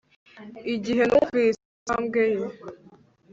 Igihe numvise intambwe ye